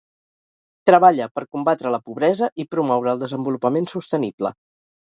Treballa per combatre la pobresa i promoure el desenvolupament sostenible.